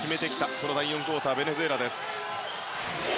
この第４クオーターベネズエラです。